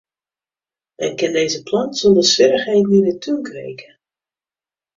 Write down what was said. Men kin dizze plant sonder swierrichheden yn 'e tún kweke.